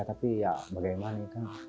tapi ya bagaimana kan